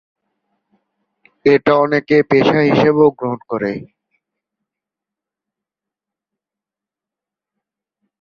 এটা অনেকে পেশা হিসেবেও গ্রহণ করে।